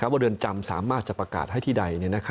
เรือนจำสามารถจะประกาศให้ที่ใด